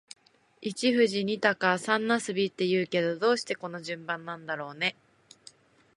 一富士、二鷹、三茄子って言うけど、どうしてこの順番なんだろうね。